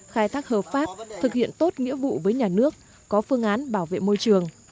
khai thác hợp pháp thực hiện tốt nghĩa vụ với nhà nước có phương án bảo vệ môi trường